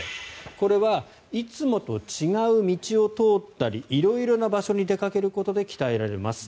これはいつもと違う道を通ったり色々な場所に出かけることで鍛えられます。